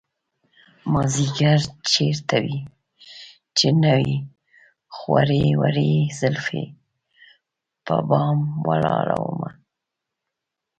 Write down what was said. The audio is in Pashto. مازديگر چېرته وې چې نه وې خورې ورې زلفې په بام ولاړه ومه